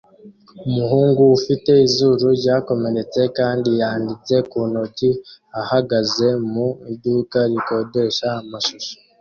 umuhungu ufite izuru ryakomeretse kandi yanditse ku ntoki ahagaze mu iduka rikodesha amashusho